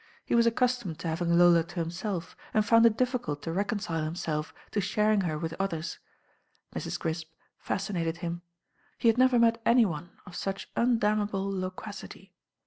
He wat accustomed to having Lola to himself, and found It difficult to reconcile himself to sharing her with others. Mrs. Crisp fascinated him. He had never met any one of such undammable loquacity.